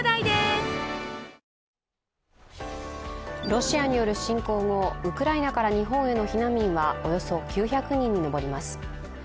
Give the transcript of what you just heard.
ロシアによる侵攻後、ウクライナから日本への避難民はおよそ９００人に上ります。